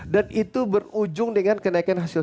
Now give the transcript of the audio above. dan itu berujung dengan kenaikan hasil